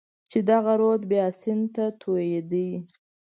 چې دغه رود بیا سیند ته توېېده.